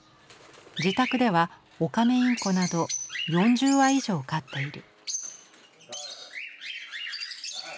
自宅ではオカメインコなど４０羽以上飼っている。